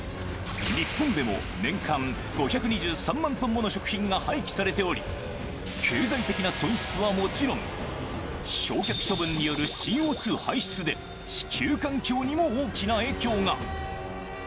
日本でも年間５２３万トンもの食品が廃棄されており、経済的な損失はもちろん、焼却処分によるＣＯ２排出で、地球環境にも大きな影響が。